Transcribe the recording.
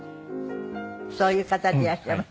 そういう方でいらっしゃいます。